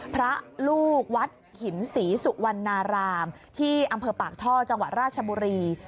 พระลูกวัดหินศรีสุวรรณารามที่อำเภอปากท่อจังหวัดราชบุรี